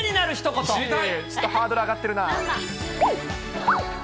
ちょっとハードル上がってるな。